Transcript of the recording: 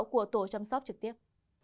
của tổ chăm sóc trực tiếp